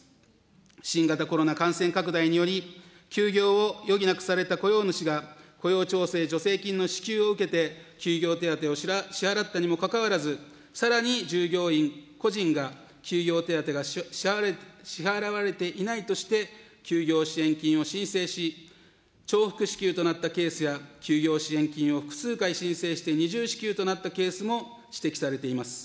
新型コロナ感染拡大により、休業を余儀なくされた雇用主が、雇用調整助成金の支給を受けて、休業手当を支払ったにもかかわらず、さらに従業員個人が、休業手当が支払われていないとして、休業支援金を申請し、重複支給となったケースや、休業支援金を複数回申請して二重支給となったケースも指摘されています。